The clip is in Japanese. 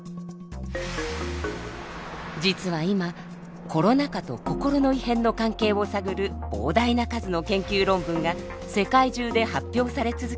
実は今コロナ禍と心の異変の関係を探る膨大な数の研究論文が世界中で発表され続けています。